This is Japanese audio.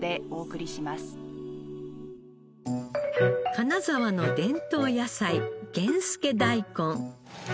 金沢の伝統野菜源助だいこん。